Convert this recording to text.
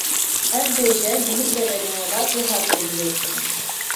Ev bêje, li hin deverên welat wiha tê bilêvkirin